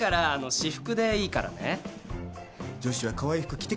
私服？